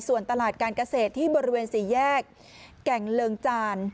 ส่วนตลาดการเกษตรที่บริเวณสี่แยกแก่งเลิงจาน